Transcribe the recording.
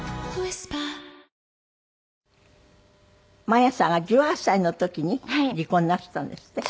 麻矢さんが１８歳の時に離婚なすったんですって？